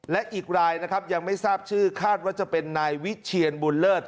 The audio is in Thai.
และอีกรายนะครับยังไม่ทราบชื่อคาดว่าจะเป็นนายวิเชียนบุญเลิศ